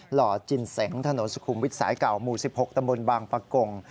หล่อจินเสงถนนสุขุมวิทย์สายเก่าหมู่๑๖ตำบลบางปะกง